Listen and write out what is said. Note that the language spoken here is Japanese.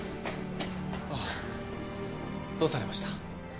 あどうされました？